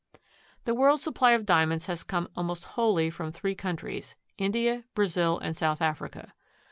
The world's supply of Diamonds has come almost wholly from three countries—India, Brazil and South Africa.